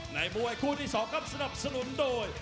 มวยคู่ที่๒ครับสนับสนุนโดย